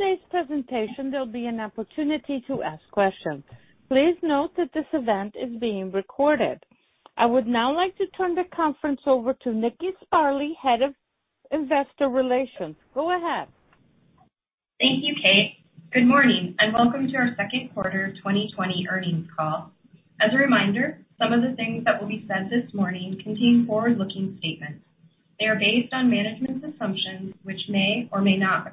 After today's presentation, there'll be an opportunity to ask questions. Please note that this event is being recorded. I would now like to turn the conference over to Nikki Sparley, Head of Investor Relations. Go ahead. Thank you, Kate. Good morning and welcome to our second quarter 2020 earnings call. As a reminder, some of the things that will be said this morning contain forward-looking statements. They are based on management's assumptions, which may or may not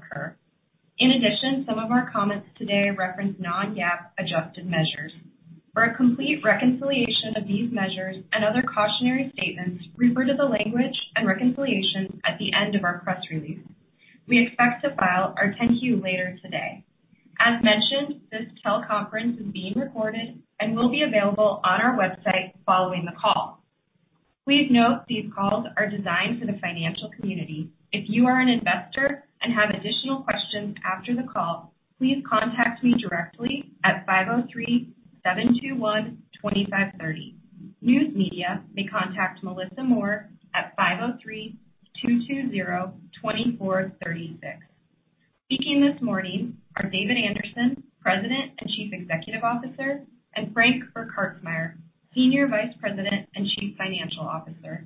occur. In addition, some of our comments today reference non-GAAP adjusted measures. For a complete reconciliation of these measures and other cautionary statements, refer to the language and reconciliation at the end of our press release. We expect to file our 10Q later today. As mentioned, this teleconference is being recorded and will be available on our website following the call. Please note these calls are designed for the financial community. If you are an investor and have additional questions after the call, please contact me directly at 503-721-2530. News media may contact Melissa Moore at 503-220-2436. Speaking this morning are David Anderson, President and Chief Executive Officer, and Frank Burkhartsmeyer, Senior Vice President and Chief Financial Officer.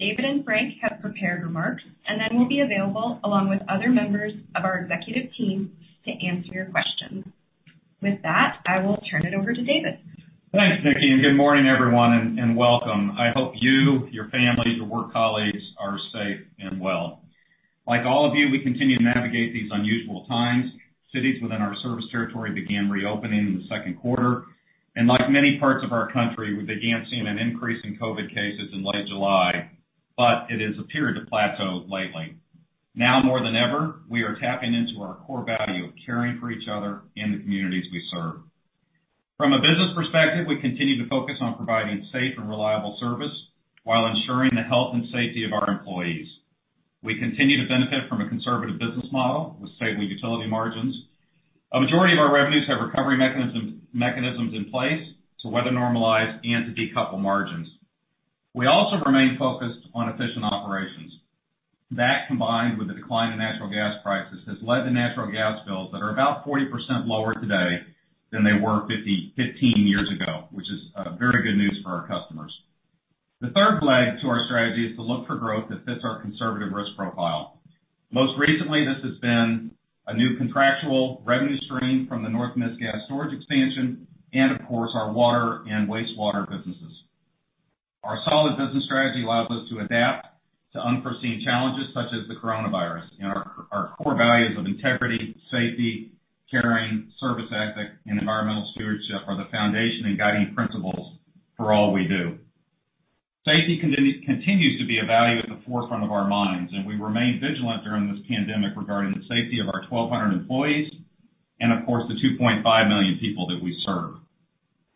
David and Frank have prepared remarks and then will be available along with other members of our executive team to answer your questions. With that, I will turn it over to David. Thanks, Nikki. Good morning, everyone, and welcome. I hope you, your families, your work colleagues are safe and well. Like all of you, we continue to navigate these unusual times. Cities within our service territory began reopening in the second quarter. Like many parts of our country, we began seeing an increase in COVID cases in late July, but it has appeared to plateau lately. Now more than ever, we are tapping into our core value of caring for each other and the communities we serve. From a business perspective, we continue to focus on providing safe and reliable service while ensuring the health and safety of our employees. We continue to benefit from a conservative business model with stable utility margins. A majority of our revenues have recovery mechanisms in place to weather normalize and to decouple margins. We also remain focused on efficient operations. That, combined with the decline in natural gas prices, has led to natural gas bills that are about 40% lower today than they were 15 years ago, which is very good news for our customers. The third leg to our strategy is to look for growth that fits our conservative risk profile. Most recently, this has been a new contractual revenue stream from the North Mist gas storage expansion and, of course, our water and wastewater businesses. Our solid business strategy allows us to adapt to unforeseen challenges such as the coronavirus, and our core values of integrity, safety, caring, service ethic, and environmental stewardship are the foundation and guiding principles for all we do. Safety continues to be a value at the forefront of our minds, and we remain vigilant during this pandemic regarding the safety of our 1,200 employees and, of course, the 2.5 million people that we serve.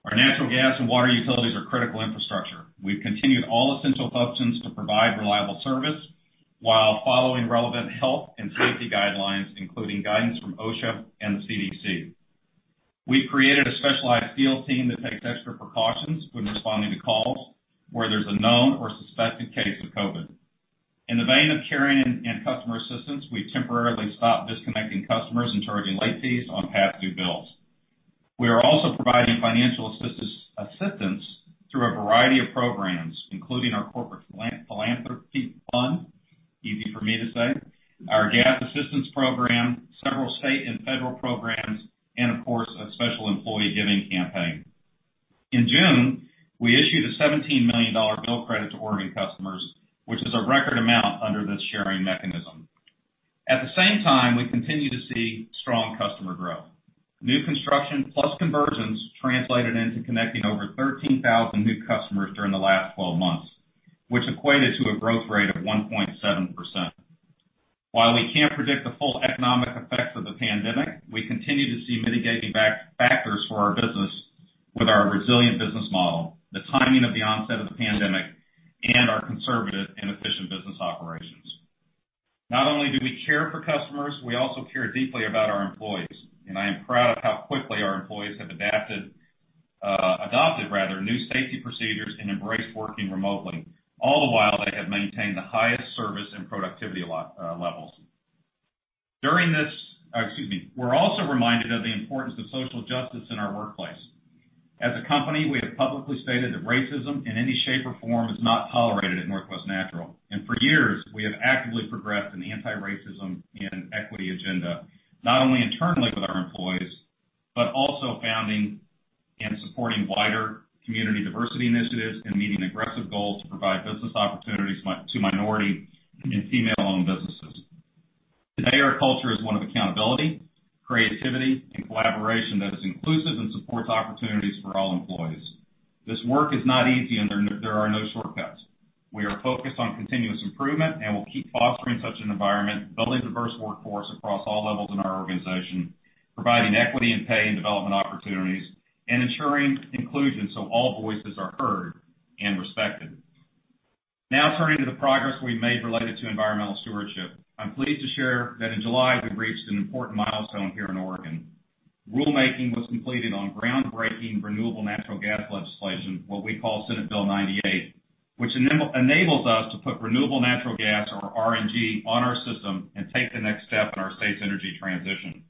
Our natural gas and water utilities are critical infrastructure. We've continued all essential functions to provide reliable service while following relevant health and safety guidelines, including guidance from OSHA and the CDC. We've created a specialized field team that takes extra precautions when responding to calls where there's a known or suspected case of COVID. In the vein of caring and customer assistance, we've temporarily stopped disconnecting customers and charging late fees on past due bills. We are also providing financial assistance through a variety of programs, including our corporate philanthropy fund, easy for me to say, our gas assistance program, several state and federal programs, and, of course, a special employee giving campaign. In June, we issued a $17 million bill credit to Oregon customers, which is a record amount under this sharing mechanism. At the same time, we continue to see strong customer growth. New construction plus conversions translated into connecting over 13,000 new customers during the last 12 months, which equated to a growth rate of 1.7%. While we can't predict the full economic effects of the pandemic, we continue to see mitigating factors for our business with our resilient business model, the timing of the onset of the pandemic, and our conservative and efficient business operations. Not only do we care for customers, we also care deeply about our employees. I am proud of how quickly our employees have adopted, rather, new safety procedures and embraced working remotely, all the while they have maintained the highest service and productivity levels. this, excuse me, we're also reminded of the importance of social justice in our workplace. As a company, we have publicly stated that racism in any shape or form is not tolerated at Northwest Natural. For years, we have actively progressed an anti-racism and equity agenda, not only internally with our employees, but also founding and supporting wider community diversity initiatives and meeting aggressive goals to provide business opportunities to minority and female-owned businesses. Today, our culture is one of accountability, creativity, and collaboration that is inclusive and supports opportunities for all employees. This work is not easy, and there are no shortcuts. We are focused on continuous improvement and will keep fostering such an environment, building a diverse workforce across all levels in our organization, providing equity in pay and development opportunities, and ensuring inclusion so all voices are heard and respected. Now, turning to the progress we've made related to environmental stewardship, I'm pleased to share that in July, we've reached an important milestone here in Oregon. Rulemaking was completed on groundbreaking renewable natural gas legislation, what we call Senate Bill 98, which enables us to put renewable natural gas, or RNG, on our system and take the next step in our state's energy transition.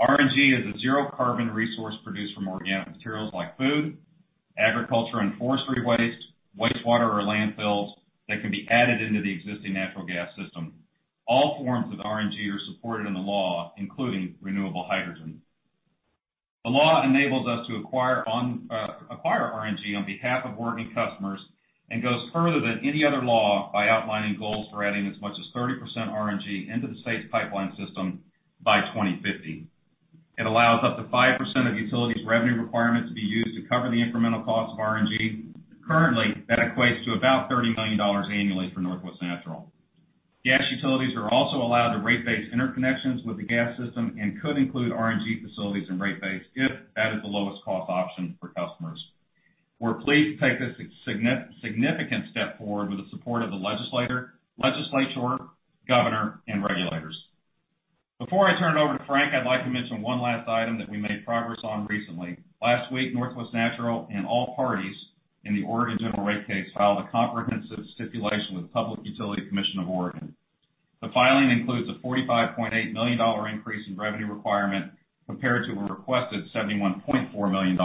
RNG is a zero-carbon resource produced from organic materials like food, agriculture, and forestry waste, wastewater, or landfills that can be added into the existing natural gas system. All forms of RNG are supported in the law, including renewable hydrogen. The law enables us to acquire RNG on behalf of Oregon customers and goes further than any other law by outlining goals for adding as much as 30% RNG into the state's pipeline system by 2050. It allows up to 5% of utilities' revenue requirements to be used to cover the incremental cost of RNG. Currently, that equates to about $30 million annually for Northwest Natural. Gas utilities are also allowed to rate-base interconnections with the gas system and could include RNG facilities in rate-base if that is the lowest cost option for customers. We're pleased to take this significant step forward with the support of the legislature, governor, and regulators. Before I turn it over to Frank, I'd like to mention one last item that we made progress on recently. Last week, Northwest Natural and all parties in the Oregon general rate case filed a comprehensive stipulation with the Public Utility Commission of Oregon. The filing includes a $45.8 million increase in revenue requirement compared to a requested $71.4 million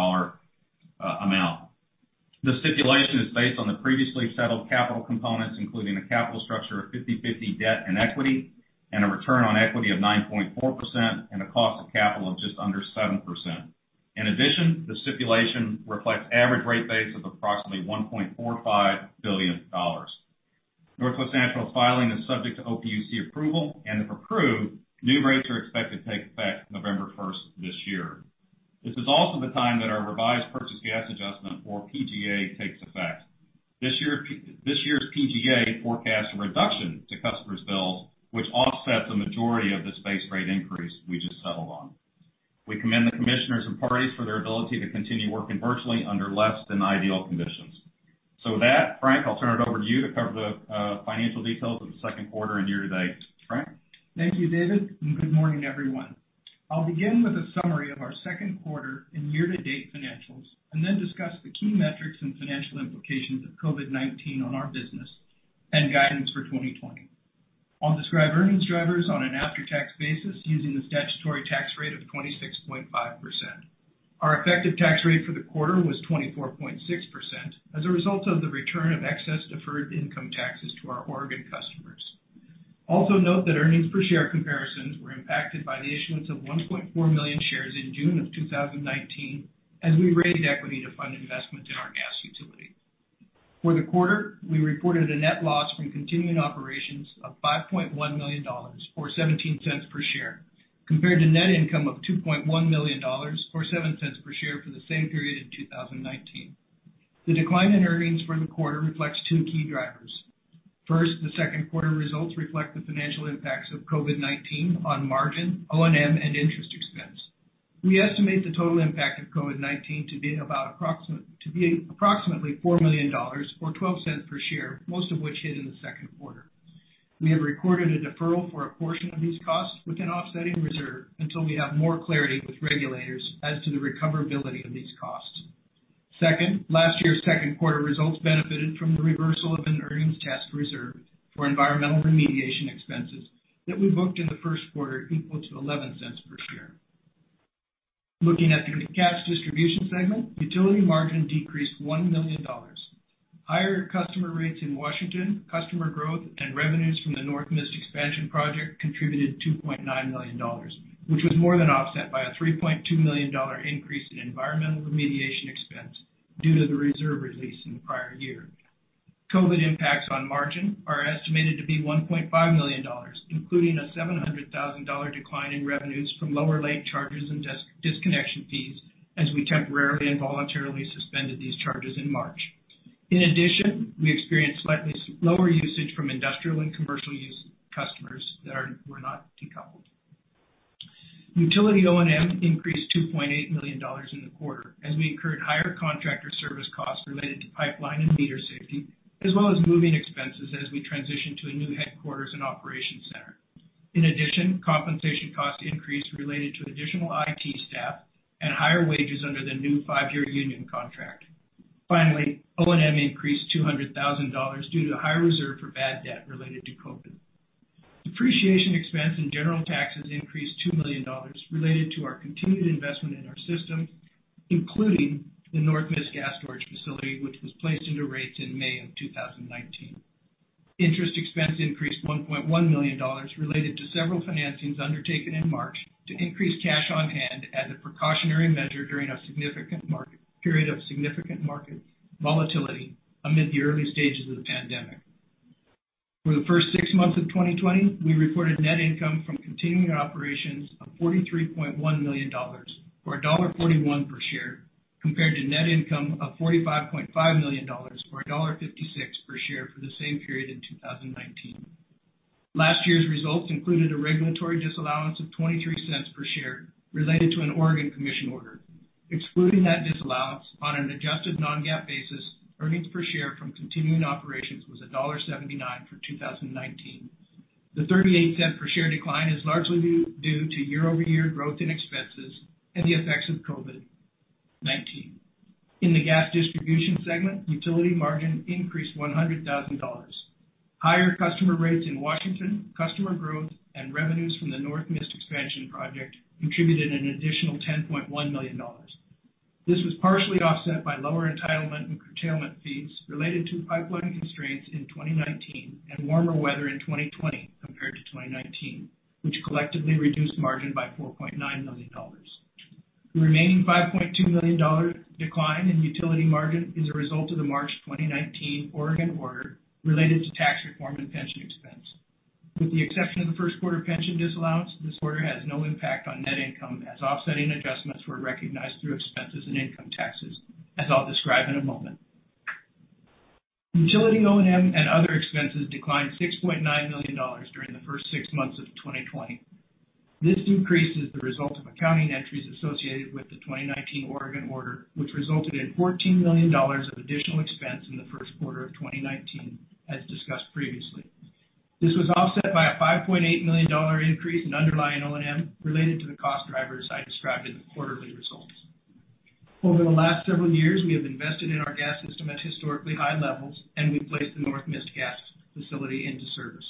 amount. The stipulation is based on the previously settled capital components, including a capital structure of 50/50 debt and equity, and a return on equity of 9.4%, and a cost of capital of just under 7%. In addition, the stipulation reflects average rate base of approximately $1.45 billion. Northwest Natural's filing is subject to OPUC approval, and if approved, new rates are expected to take effect November 1st this year. This is also the time that our revised purchase gas adjustment, or PGA, takes effect. This year's PGA forecasts a reduction to customers' bills, which offsets the majority of this base rate increase we just settled on. We commend the commissioners and parties for their ability to continue working virtually under less than ideal conditions. With that, Frank, I'll turn it over to you to cover the financial details of the second quarter and year-to-date. Frank? Thank you, David. Good morning, everyone. I'll begin with a summary of our second quarter and year-to-date financials and then discuss the key metrics and financial implications of COVID-19 on our business and guidance for 2020. I'll describe earnings drivers on an after-tax basis using the statutory tax rate of 26.5%. Our effective tax rate for the quarter was 24.6% as a result of the return of excess deferred income taxes to our Oregon customers. Also note that earnings per share comparisons were impacted by the issuance of 1.4 million shares in June of 2019 as we raised equity to fund investment in our gas utility. For the quarter, we reported a net loss from continuing operations of $5.1 million or $0.17 per share compared to net income of $2.1 million or $0.07 per share for the same period in 2019. The decline in earnings for the quarter reflects two key drivers. First, the second quarter results reflect the financial impacts of COVID-19 on margin, O&M, and interest expense. We estimate the total impact of COVID-19 to be approximately $4 million or $0.12 per share, most of which hit in the second quarter. We have recorded a deferral for a portion of these costs with an offsetting reserve until we have more clarity with regulators as to the recoverability of these costs. Second, last year's second quarter results benefited from the reversal of an earnings test reserve for environmental remediation expenses that we booked in the first quarter equal to $0.11 per share. Looking at the gas distribution segment, utility margin decreased $1 million. Higher customer rates in Washington, customer growth, and revenues from the North Mist Expansion Project contributed $2.9 million, which was more than offset by a $3.2 million increase in environmental remediation expense due to the reserve release in the prior year. COVID impacts on margin are estimated to be $1.5 million, including a $700,000 decline in revenues from lower late charges and disconnection fees as we temporarily and voluntarily suspended these charges in March. In addition, we experienced slightly lower usage from industrial and commercial use customers that were not decoupled. Utility O&M increased $2.8 million in the quarter as we incurred higher contractor service costs related to pipeline and meter safety, as well as moving expenses as we transitioned to a new headquarters and operations center. In addition, compensation costs increased related to additional IT staff and higher wages under the new five-year union contract. Finally, O&M increased $200,000 due to a higher reserve for bad debt related to COVID. Depreciation expense and general taxes increased $2 million related to our continued investment in our system, including the North Mist gas storage facility, which was placed into rates in May of 2019. Interest expense increased $1.1 million related to several financings undertaken in March to increase cash on hand as a precautionary measure during a significant period of significant market volatility amid the early stages of the pandemic. For the first six months of 2020, we reported net income from continuing operations of $43.1 million or $1.41 per share compared to net income of $45.5 million or $1.56 per share for the same period in 2019. Last year's results included a regulatory disallowance of $0.23 per share related to an Oregon Commission order. Excluding that disallowance, on an adjusted non-GAAP basis, earnings per share from continuing operations was $1.79 for 2019. The $0.38 per share decline is largely due to year-over-year growth in expenses and the effects of COVID-19. In the gas distribution segment, utility margin increased $100,000. Higher customer rates in Washington, customer growth, and revenues from the North Mist Expansion Project contributed an additional $10.1 million. This was partially offset by lower entitlement and curtailment fees related to pipeline constraints in 2019 and warmer weather in 2020 compared to 2019, which collectively reduced margin by $4.9 million. The remaining $5.2 million decline in utility margin is a result of the March 2019 Oregon order related to tax reform and pension expense. With the exception of the first quarter pension disallowance, this order has no impact on net income as offsetting adjustments were recognized through expenses and income taxes, as I'll describe in a moment. Utility O&M and other expenses declined $6.9 million during the first six months of 2020. This decrease is the result of accounting entries associated with the 2019 Oregon order, which resulted in $14 million of additional expense in the first quarter of 2019, as discussed previously. This was offset by a $5.8 million increase in underlying O&M related to the cost drivers I described in the quarterly results. Over the last several years, we have invested in our gas system at historically high levels, and we've placed the North Mist gas facility into service.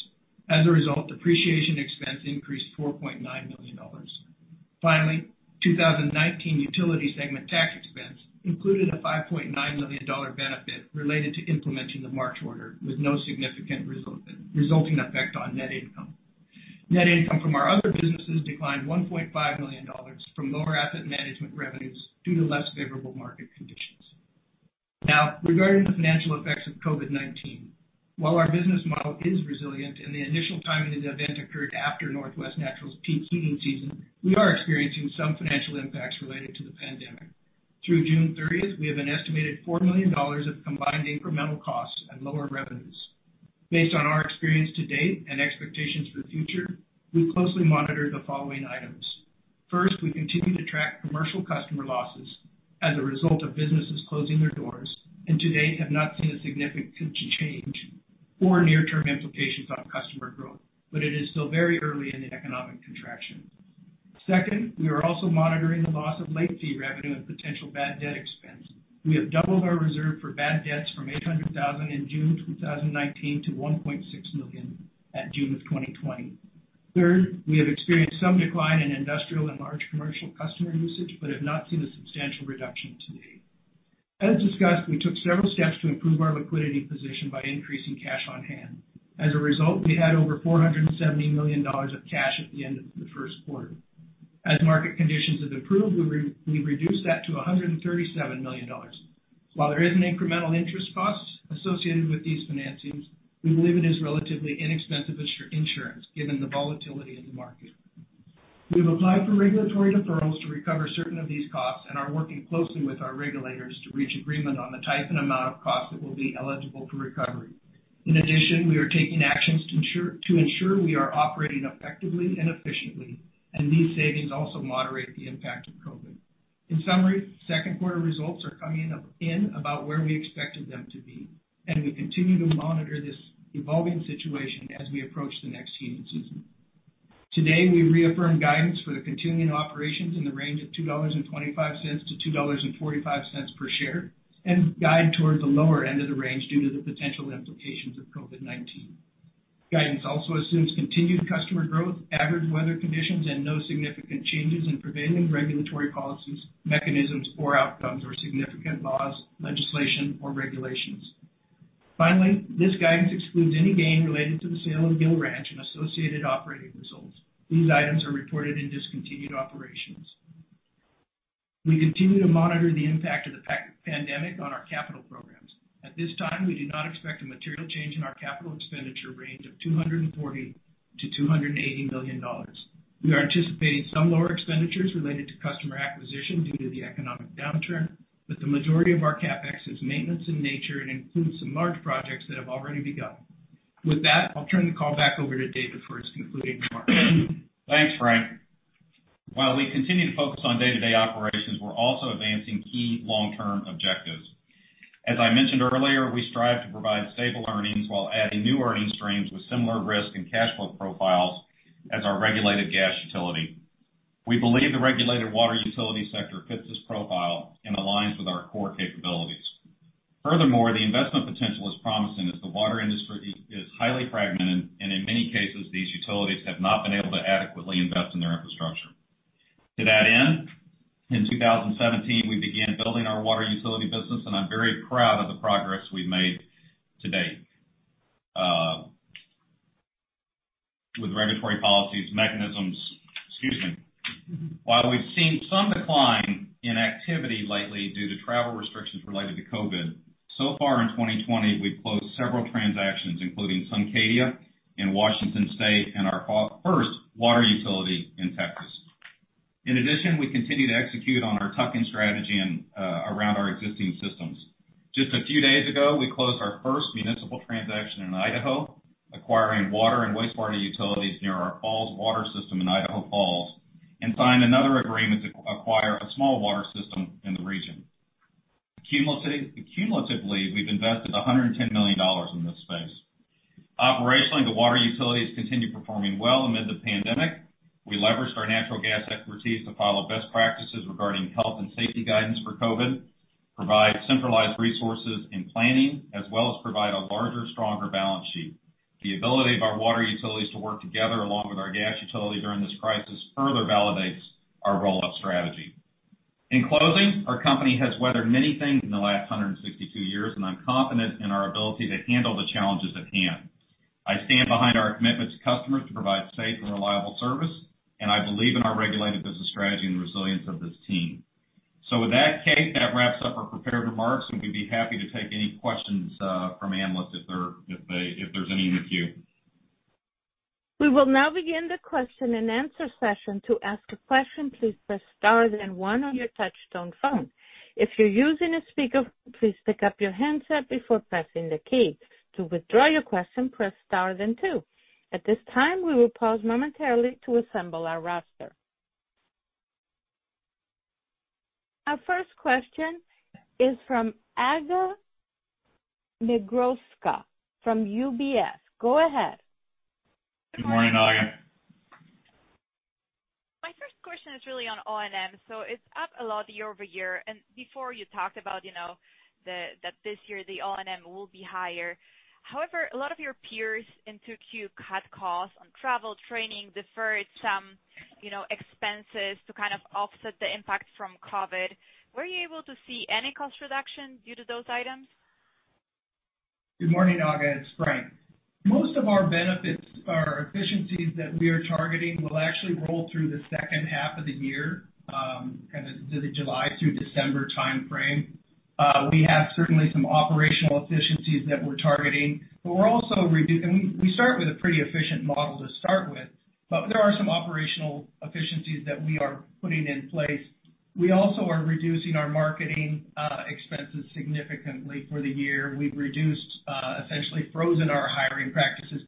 As a result, depreciation expense increased $4.9 million. Finally, 2019 utility segment tax expense included a $5.9 million benefit related to implementing the March order, with no significant resulting effect on net income. Net income from our other businesses declined $1.5 million from lower asset management revenues due to less favorable market conditions. Now, regarding the financial effects of COVID-19, while our business model is resilient and the initial timing of the event occurred after Northwest Natural's peak heating season, we are experiencing some financial impacts related to the pandemic. Through June 30th, we have an estimated $4 million of combined incremental costs and lower revenues. Based on our experience to date and expectations for the future, we closely monitor the following items. First, we continue to track commercial customer losses as a result of businesses closing their doors and to date have not seen a significant change or near-term implications on customer growth, but it is still very early in the economic contraction. Second, we are also monitoring the loss of late fee revenue and potential bad debt expense. We have doubled our reserve for bad debts from $800,000 in June 2019 to $1.6 million at June of 2020. Third, we have experienced some decline in industrial and large commercial customer usage, but have not seen a substantial reduction to date. As discussed, we took several steps to improve our liquidity position by increasing cash on hand. As a result, we had over $470 million of cash at the end of the first quarter. As market conditions have improved, we reduced that to $137 million. While there is an incremental interest cost associated with these financings, we believe it is relatively inexpensive insurance given the volatility in the market. We have applied for regulatory deferrals to recover certain of these costs and are working closely with our regulators to reach agreement on the type and amount of costs that will be eligible for recovery. In addition, we are taking actions to ensure we are operating effectively and efficiently, and these savings also moderate the impact of COVID. In summary, second quarter results are coming in about where we expected them to be, and we continue to monitor this evolving situation as we approach the next heating season. Today, we reaffirm guidance for the continuing operations in the range of $2.25-$2.45 per share and guide toward the lower end of the range due to the potential implications of COVID-19. Guidance also assumes continued customer growth, average weather conditions, and no significant changes in prevailing regulatory policies, mechanisms, or outcomes or significant laws, legislation, or regulations. Finally, this guidance excludes any gain related to the sale of Gill Ranch and associated operating results. These items are reported in discontinued operations. We continue to monitor the impact of the pandemic on our capital programs. At this time, we do not expect a material change in our capital expenditure range of $240-$280 million. We are anticipating some lower expenditures related to customer acquisition due to the economic downturn, but the majority of our CapEx is maintenance in nature and includes some large projects that have already begun. With that, I'll turn the call back over to David for his concluding remarks. Thanks, Frank. While we continue to focus on day-to-day operations, we're also advancing key long-term objectives. As I mentioned earlier, we strive to provide stable earnings while adding new earnings streams with similar risk and cash flow profiles as our regulated gas utility. We believe the regulated water utility sector fits this profile and aligns with our core capabilities. Furthermore, the investment potential is promising as the water industry is highly fragmented, and in many cases, these utilities have not been able to adequately invest in their infrastructure. To that end, in 2017, we began building our water utility business, and I'm very proud of the progress we've made to date with regulatory policies, mechanisms. Excuse me. While we've seen some decline in activity lately due to travel restrictions related to COVID, so far in 2020, we've closed several transactions, including Suncadia in Washington State and our first water utility in Texas. In addition, we continue to execute on our tucking strategy around our existing systems. Just a few days ago, we closed our first municipal transaction in Idaho, acquiring water and wastewater utilities near our falls water system in Idaho Falls and signed another agreement to acquire a small water system in the region. Cumulatively, we've invested $110 million in this space. Operationally, the water utilities continue performing well amid the pandemic. We leveraged our natural gas expertise to follow best practices regarding health and safety guidance for COVID, provide centralized resources and planning, as well as provide a larger, stronger balance sheet. The ability of our water utilities to work together along with our gas utility during this crisis further validates our roll-up strategy. In closing, our company has weathered many things in the last 162 years, and I'm confident in our ability to handle the challenges at hand. I stand behind our commitment to customers to provide safe and reliable service, and I believe in our regulated business strategy and the resilience of this team. Kate, that wraps up our prepared remarks, and we'd be happy to take any questions from analysts if there's any in the queue. We will now begin the question and answer session. To ask a question, please press star then one on your touchstone phone. If you're using a speaker, please pick up your handset before pressing the key. To withdraw your question, press star then two. At this time, we will pause momentarily to assemble our roster. Our first question is from Aga Zmigrodzka from UBS. Go ahead. Good morning, Aga. My first question is really on O&M. It is up a lot year-over-year. Before, you talked about that this year, the O&M will be higher. However, a lot of your peers in 2Q cut costs on travel, training, deferred some expenses to kind of offset the impact from COVID. Were you able to see any cost reduction due to those items? Good morning, Aga. It's Frank. Most of our benefits or efficiencies that we are targeting will actually roll through the second half of the year, kind of the July through December timeframe. We have certainly some operational efficiencies that we're targeting, but we're also—we start with a pretty efficient model to start with—there are some operational efficiencies that we are putting in place. We also are reducing our marketing expenses significantly for the year. We've reduced, essentially frozen our hiring practices.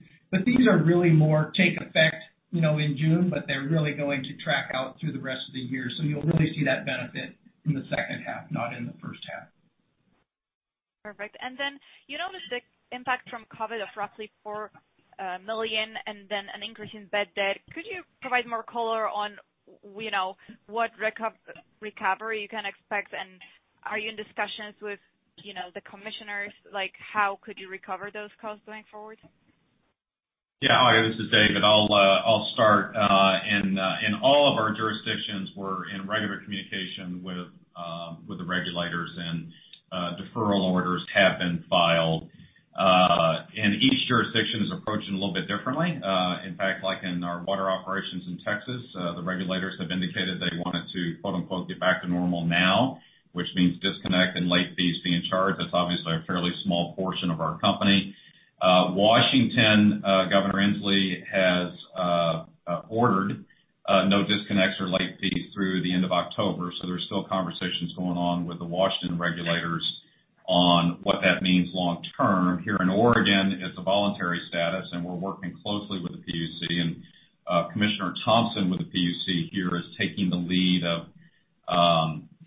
These are really more—take effect in June, but they're really going to track out through the rest of the year. You will really see that benefit in the second half, not in the first half. Perfect. You noticed the impact from COVID of roughly $4 million and then an increase in bad debt. Could you provide more color on what recovery you can expect? Are you in discussions with the commissioners? How could you recover those costs going forward? Yeah, this is David. I'll start. In all of our jurisdictions, we're in regular communication with the regulators, and deferral orders have been filed. Each jurisdiction is approaching a little bit differently. In fact, like in our water operations in Texas, the regulators have indicated they wanted to "get back to normal now," which means disconnect and late fees being charged. That's obviously a fairly small portion of our company. Washington, Governor Inslee has ordered no disconnects or late fees through the end of October. There are still conversations going on with the Washington regulators on what that means long term. Here in Oregon, it's a voluntary status, and we're working closely with the PUC. Commissioner Thompson with the PUC here is taking the lead of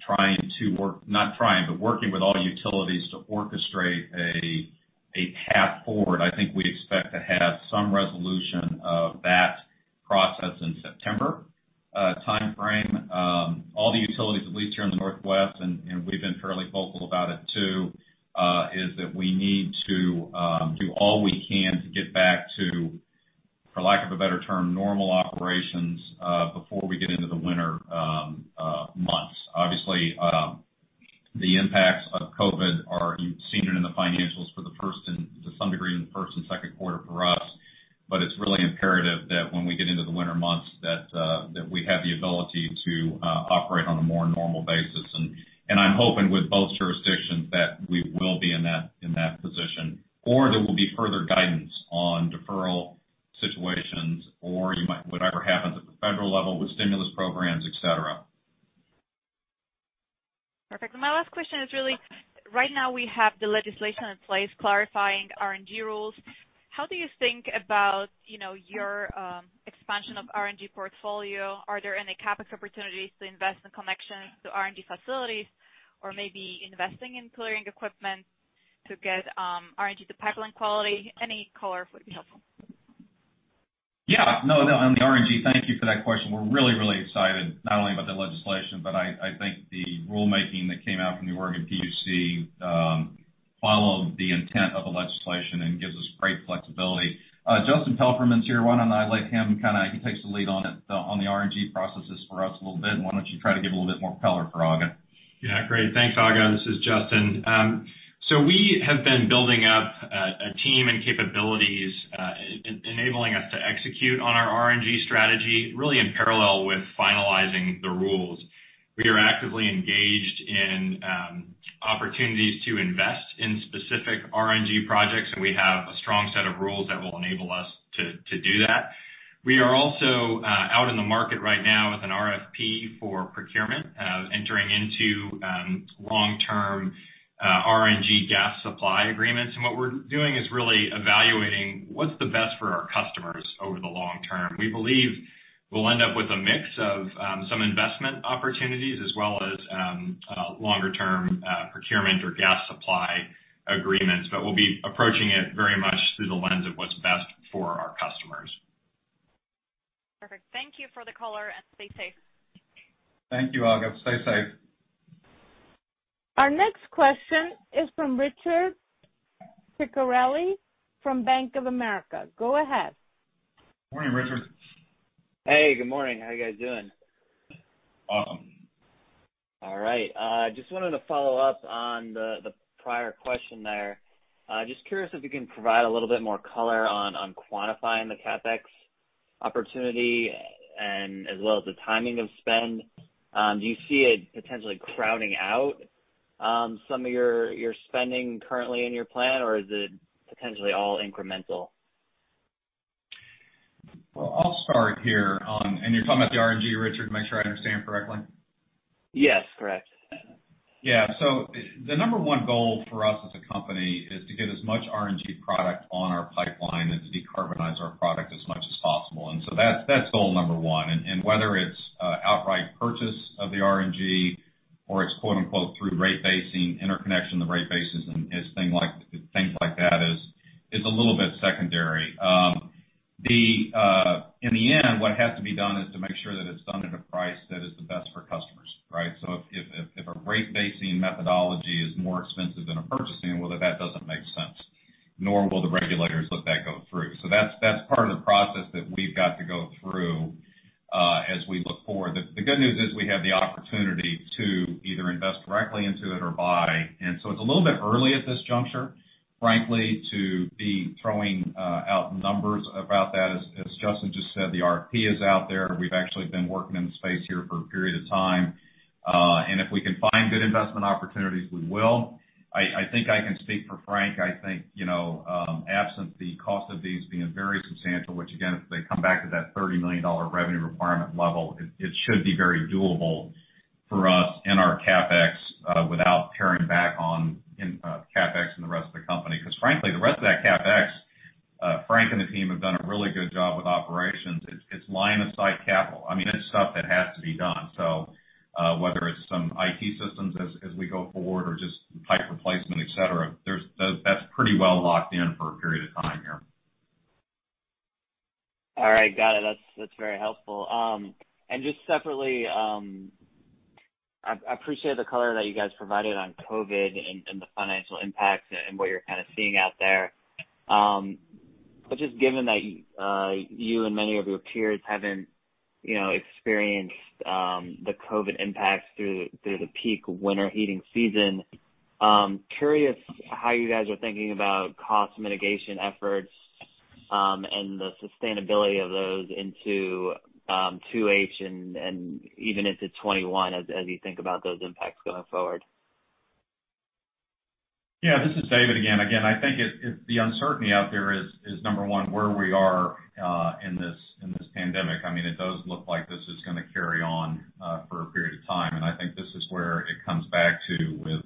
trying to work—not trying, but working with all utilities to orchestrate a path forward. I think we expect to have some resolution of that process in September timeframe. All the utilities, at least here in the Northwest, and we've been fairly vocal about it too, is that we need to do all we can to get back to, for lack of a better term, normal operations before we get into the winter months. Obviously, the impacts of COVID are seen in the financials to some degree in the first and second quarter for us, but it's really imperative that when we get into the winter months that we have the ability to operate on a more normal basis. I'm hoping with both jurisdictions that we will be in that position, or there will be further guidance on deferral situations or whatever happens at the federal level with stimulus programs, etc. Perfect. My last question is really, right now we have the legislation in place clarifying RNG rules. How do you think about your expansion of RNG portfolio? Are there any CapEx opportunities to invest in connections to RNG facilities or maybe investing in clearing equipment to get RNG to pipeline quality? Any color would be helpful. Yeah. No, on the R&D, thank you for that question. We're really, really excited not only about the legislation, but I think the rulemaking that came out from the Oregon PUC followed the intent of the legislation and gives us great flexibility. Justin Palfreyman's here one, and I'll let him kind of—he takes the lead on the R&D processes for us a little bit. Why don't you try to give a little bit more color for Aga? Yeah, great. Thanks, Aga. This is Justin. We have been building up a team and capabilities enabling us to execute on our R&D strategy really in parallel with finalizing the rules. We are actively engaged in opportunities to invest in specific R&D projects, and we have a strong set of rules that will enable us to do that. We are also out in the market right now with an RFP for procurement entering into long-term R&D gas supply agreements. What we're doing is really evaluating what's the best for our customers over the long term. We believe we'll end up with a mix of some investment opportunities as well as longer-term procurement or gas supply agreements, but we'll be approaching it very much through the lens of what's best for our customers. Perfect. Thank you for the color and stay safe. Thank you, Aga. Stay safe. Our next question is from Richard Ciciarelli from Bank of America. Go ahead. Morning, Richard. Hey, good morning. How are you guys doing? Awesome. All right. Just wanted to follow up on the prior question there. Just curious if you can provide a little bit more color on quantifying the CapEx opportunity as well as the timing of spend. Do you see it potentially crowding out some of your spending currently in your plan, or is it potentially all incremental? I'll start here. You're talking about the RNG, Richard? Make sure I understand correctly. Yes, correct. Yeah. The number one goal for us as a company is to get as much RNG product on our pipeline and to decarbonize our product as much as possible. That is goal number one. Whether it is outright purchase of the RNG or it is "through rate basing," interconnection of rate bases and things like that is a little bit secondary. In the end, what has to be done is to make sure that it is done at a price that is the best for customers, right? If a rate basing methodology is more expensive than a All right. Got it. That's very helpful. I appreciate the color that you guys provided on COVID and the financial impacts and what you're kind of seeing out there. Just given that you and many of your peers haven't experienced the COVID impacts through the peak winter heating season, curious how you guys are thinking about cost mitigation efforts and the sustainability of those into 2H and even into 2021 as you think about those impacts going forward. Yeah, this is David again. I think the uncertainty out there is, number one, where we are in this pandemic. I mean, it does look like this is going to carry on for a period of time. I think this is where it comes back to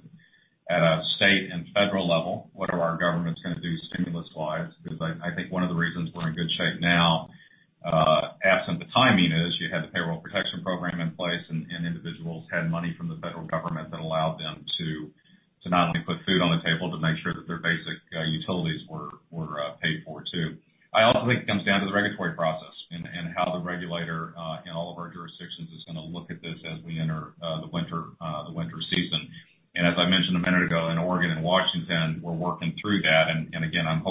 at a state and federal level, what are our governments going to do stimulus-wise? I think one of the reasons we're in good shape now, absent the timing, is you had the payroll protection program in place, and individuals had money from the federal government that allowed them to not only put food on the table but make sure that their basic utilities were paid for too. I also think it comes down to the regulatory process and how the regulator in all of our jurisdictions is going to look at this as we enter the winter season. As I mentioned a minute ago, in Oregon and Washington, we're working through that. Again, I'm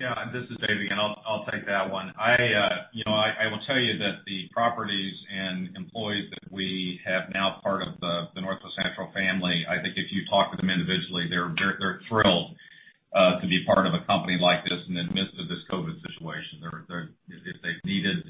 Yeah, this is David again. I'll take that one. I will tell you that the properties and employees that we have now part of the Northwest Natural family, I think if you talk to them individually, they're thrilled to be part of a company like this and in the midst of this COVID situation. If they've needed PPE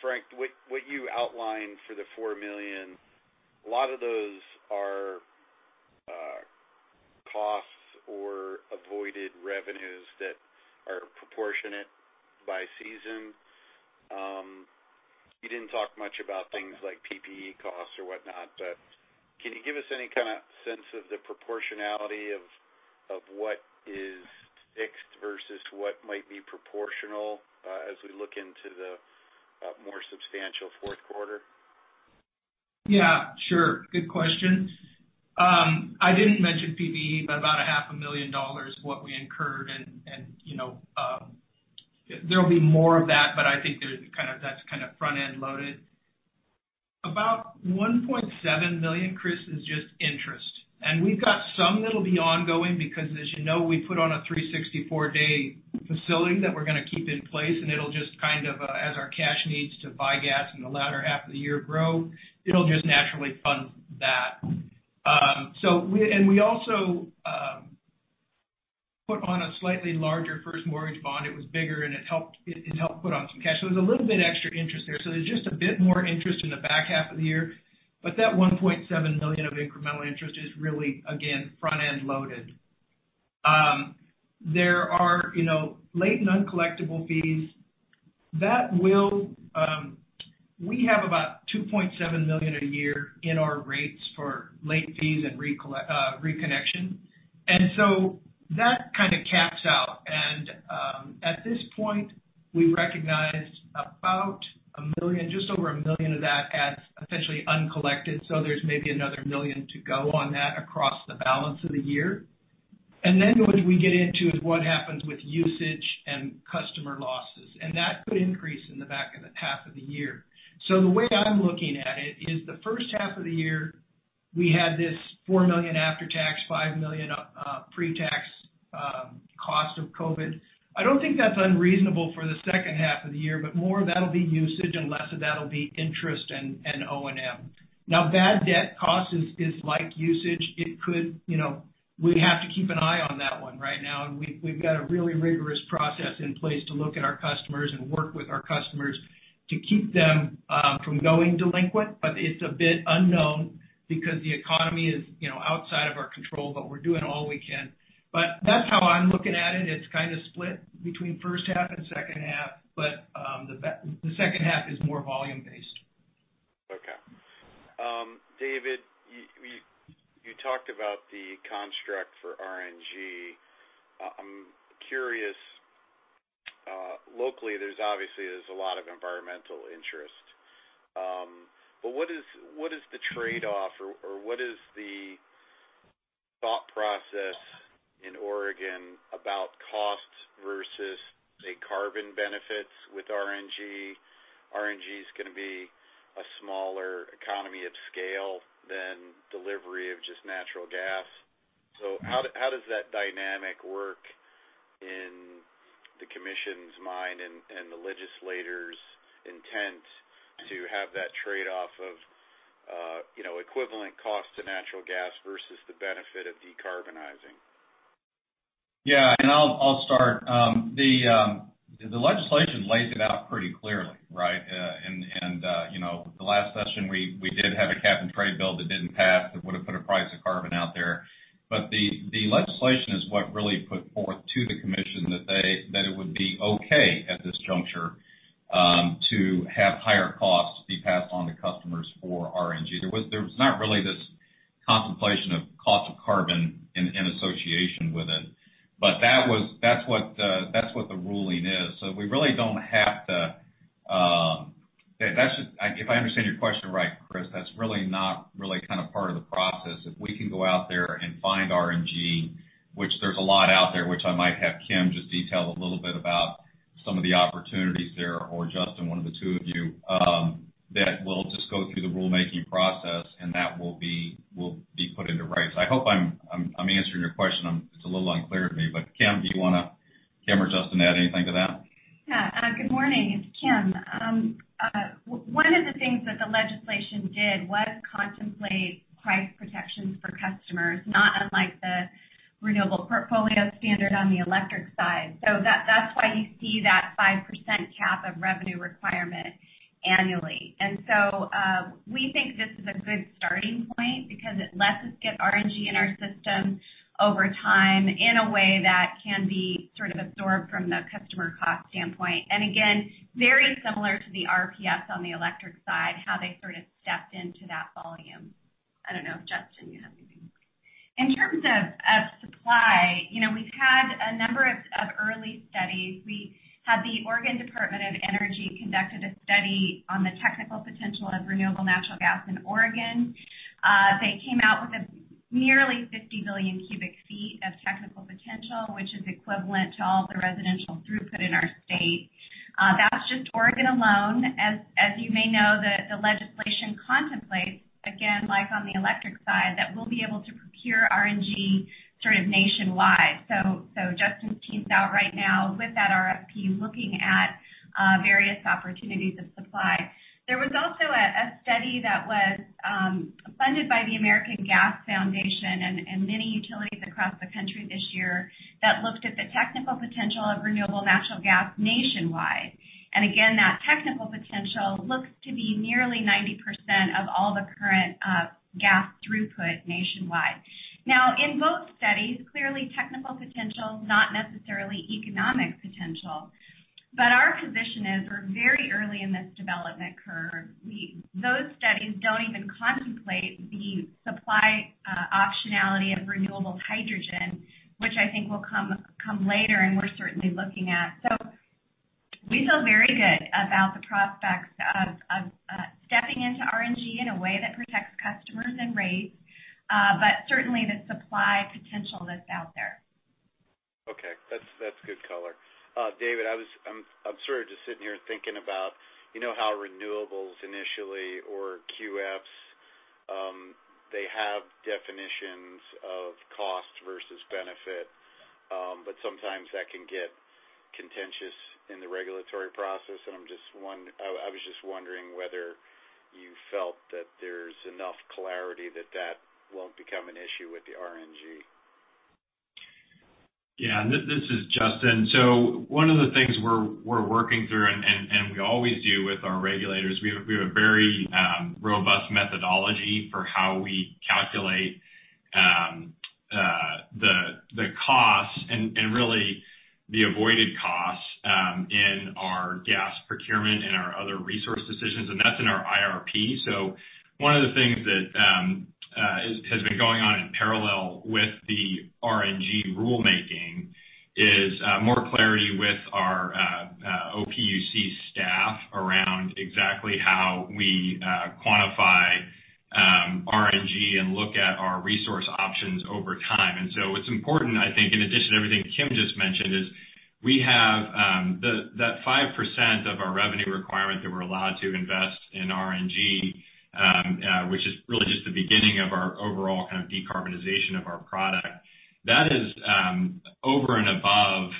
Frank, what you outlined for the $4 million, a lot of those are costs or avoided revenues that are proportionate by season. You did not talk much about things like PPE costs or whatnot, but can you give us any kind of sense of the proportionality of what is fixed versus what might be proportional as we look into the more substantial fourth quarter? Yeah. Sure. Good question. I didn't mention PPE, but about $500,000 was what we incurred. There'll be more of that, but I think that's kind of front-end loaded. About $1.7 million, Chris, is just interest. We've got some that'll be ongoing because, as you know, we put on a 364-day facility that we're going to keep in place, and it'll just kind of, as our cash needs to buy gas in the latter half of the year grow, it'll just naturally fund that. We also put on a slightly larger first mortgage bond. It was bigger, and it helped put on some cash. There's a little bit extra interest there. There's just a bit more interest in the back half of the year. That $1.7 million of incremental interest is really, again, front-end loaded. There are late and uncollectible fees. We have about $2.7 million a year in our rates for late fees and reconnection. That kind of caps out. At this point, we recognized about $1,000,000, just over $1,000,000 of that as essentially uncollected. There is maybe another $1,000,000 to go on that across the balance of the year. What we get into is what happens with usage and customer losses. That could increase in the back half of the year. The way I am looking at it is the first half of the year, we had this $4 million after-tax, $5 million pre-tax cost of COVID. I do not think that is unreasonable for the second half of the year, but more of that will be usage and less of that will be interest and O&M. Now, bad debt cost is like usage. We have to keep an eye on that one right now. We've got a really rigorous process in place to look at our customers and work with our customers to keep them from going delinquent. It's a bit unknown because the economy is outside of our control, but we're doing all we can. That's how I'm looking at it. It's kind of split between first half and second half, but the second half is more volume-based. Okay. David, you talked about the construct for RNG. I'm curious. Locally, there's obviously a lot of environmental interest. What is the trade-off, or what is the thought process in Oregon about cost versus, say, carbon benefits with RNG? RNG is going to be a smaller economy of scale than delivery of just natural gas. How does that dynamic work in the commission's mind and the legislator's intent to have that trade-off of equivalent cost to natural gas versus the benefit of decarbonizing? Yeah. I'll start. The legislation lays it out pretty clearly, right? In the last session, we did have a cap-and-trade bill that did not pass that would have put a price of carbon out there. The legislation is what really put forth to the commission that it would be okay at this juncture to have higher costs be passed on to customers for RNG. There was not really this contemplation of cost of carbon in association with it. That is what the ruling is. We really do not have to—if I understand your question right, Chris, that is really not really kind of part of the process. If we can go out there and find RNG, which there's a lot out there, which I might have Kim just detail a little bit about some of the opportunities there, or Justin, one of the two of you, that we'll just go through the rulemaking process, and that will be put into rights. I hope I'm answering your question. It's a little unclear to me. Kim, do you want to—Kim or Justin, add anything to that? Yeah. Good morning. It's Kim. One of the things that the legislation did was contemplate price protections for customers, not unlike the renewable portfolio standard on the electric side. That is why you see that 5% cap of revenue requirement annually. We think this is a good starting point because it lets us get RNG in our system over time in a way that can be sort of absorbed from the customer cost standpoint. Again, very similar to the RPS on the electric side, how they sort of stepped into that volume. I do not know if Justin, you have anything. In terms of supply, we've had a number of early studies. We had the Oregon Department of Energy conducted a study on the technical potential of renewable natural gas in Oregon. They came out with nearly 50 billion cu ft of technical potential, which is equivalent to all the residential throughput in our state. That is just Oregon alone. As you may know, the legislation contemplates, again, like on the electric side, that we will be able to procure RNG sort of nationwide. Justin's teased out right now with that RFP looking at various opportunities of supply. There was also a study that was funded by the American Gas Foundation and many utilities across the country this year that looked at the technical potential of renewable natural gas nationwide. Again, that technical potential looks to be nearly 90% of all the current gas throughput nationwide. costs and really the avoided costs in our gas procurement and our other resource decisions. That is in our IRP. One of the things that has been going on in parallel with the RNG rulemaking is more clarity with our OPUC staff around exactly how we quantify RNG and look at our resource options over time. It is important, I think, in addition to everything Kim just mentioned, that we have that 5% of our revenue requirement that we're allowed to invest in RNG, which is really just the beginning of our overall kind of decarbonization of our product. That is over and above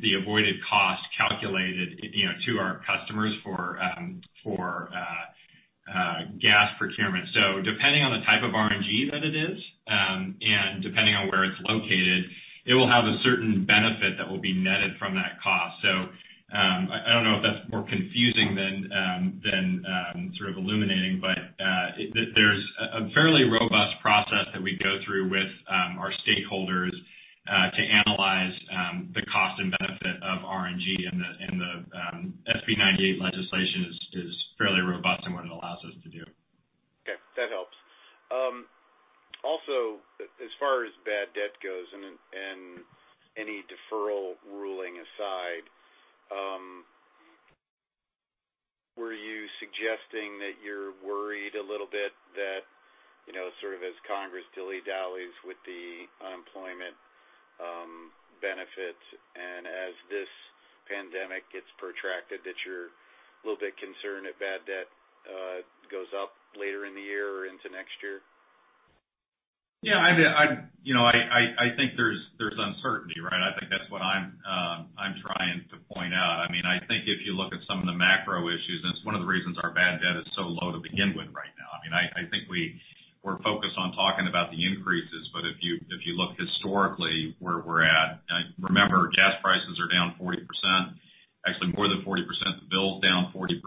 the avoided cost calculated to our customers for gas procurement. Depending on the type of RNG that it is and depending on where it's located, it will have a certain benefit that will be netted from that cost. I don't know if that's more confusing than sort of illuminating, but there's a fairly robust process that we go through with our stakeholders to analyze the cost and benefit of RNG. The SB 98 legislation is fairly robust in what it allows us to do. Okay. That helps. Also, as far as bad debt goes and any deferral ruling aside, were you suggesting that you're worried a little bit that sort of as Congress dilly-dallies with the unemployment benefits and as this pandemic gets protracted, that you're a little bit concerned that bad debt goes up later in the year or into next year? Yeah. I mean, I think there's uncertainty, right? I think that's what I'm trying to point out. I mean, I think if you look at some of the macro issues, and it's one of the reasons our bad debt is so low to begin with right now. I mean, I think we're focused on talking about the increases, but if you look historically where we're at, remember, gas prices are down 40%. Actually, more than 40%. The bill's down 40%.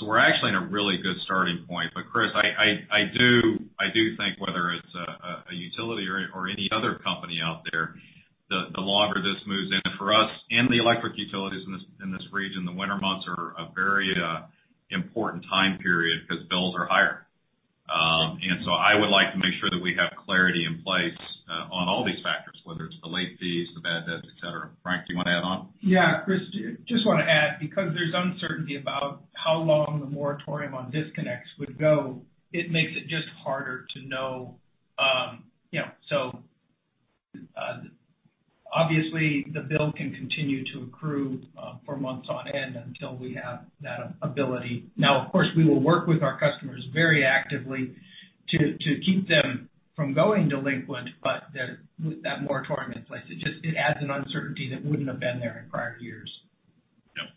We are actually in a really good starting point. Chris, I do think whether it's a utility or any other company out there, the longer this moves in for us and the electric utilities in this region, the winter months are a very important time period because bills are higher. I would like to make sure that we have clarity in place on all these factors, whether it's the late fees, the bad debts, etc. Frank, do you want to add on? Yeah. Chris, just want to add because there's uncertainty about how long the moratorium on disconnects would go, it makes it just harder to know. Obviously, the bill can continue to accrue for months on end until we have that ability. Now, of course, we will work with our customers very actively to keep them from going delinquent, but with that moratorium in place, it adds an uncertainty that wouldn't have been there in prior years. Yep.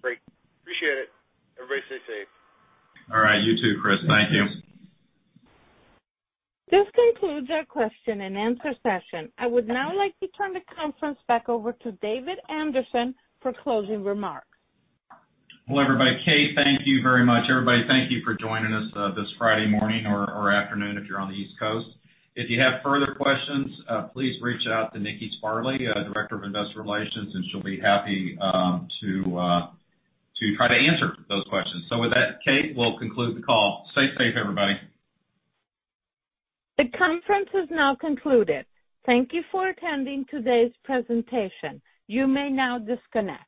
Great. Appreciate it. Everybody stay safe. All right. You too, Chris. Thank you. This concludes our question and answer session. I would now like to turn the conference back over to David Anderson for closing remarks. Hello, everybody. Kate, thank you very much. Everybody, thank you for joining us this Friday morning or afternoon if you're on the East Coast. If you have further questions, please reach out to Nikki Sparley, Director of Investor Relations, and she'll be happy to try to answer those questions. With that, Kate, we'll conclude the call. Stay safe, everybody. The conference is now concluded. Thank you for attending today's presentation. You may now disconnect.